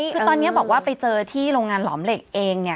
คือตอนนี้บอกว่าไปเจอที่โรงงานหลอมเหล็กเอง